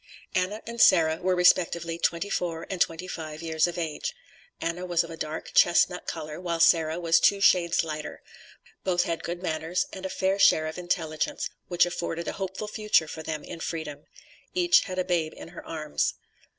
Anna and Sarah were respectively twenty four and twenty five years of age; Anna was of a dark chestnut color, while Sarah was two shades lighter; both had good manners, and a fair share of intelligence, which afforded a hopeful future for them in freedom. Each had a babe in her arms.